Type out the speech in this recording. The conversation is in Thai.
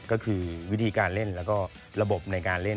ก็คือวิธีการเล่นแล้วก็ระบบในการเล่น